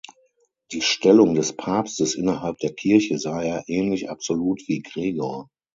Die Stellung des Papstes innerhalb der Kirche sah er ähnlich absolut wie Gregor.